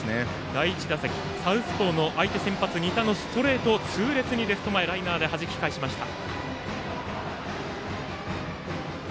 第１打席サウスポーの相手先発の仁田のストレートを痛烈にレフト前にライナーではじき返しました。